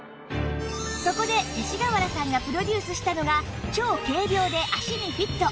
そこで勅使川原さんがプロデュースしたのが超軽量で足にフィット